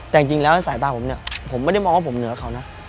แต่จริงแล้วสายตาผมเนี่ยผมไม่ได้มองว่าผมเหนือเขานะ